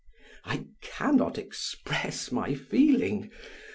I can not express my feeling.